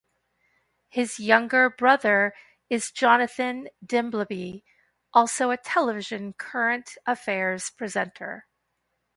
His younger brother is Jonathan Dimbleby, also a television current affairs presenter.